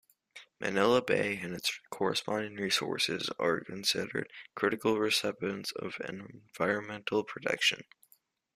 Manila Bay and its corresponding resources are considered critical recipients of environmental protection.